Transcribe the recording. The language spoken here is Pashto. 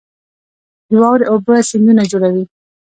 د واورې اوبه سیندونه جوړوي